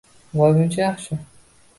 voy muncha yaxshi..